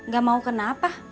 gak mau kenapa